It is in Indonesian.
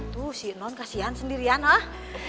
tuh si non kasihan sendirian lah